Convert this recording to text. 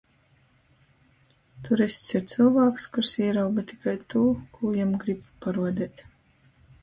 Turists ir cylvāks, kurs īrauga tikai tū, kū jam grib paruodeit.